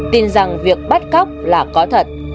tin rằng việc bắt cóc là có thật